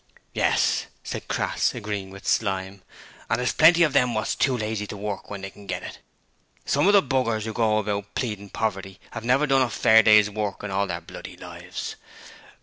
'Yes,' said Crass, agreeing with Slyme, 'an' thers plenty of 'em wot's too lazy to work when they can get it. Some of the b s who go about pleading poverty 'ave never done a fair day's work in all their bloody lives.